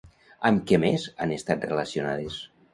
Amb què més han estat relacionades?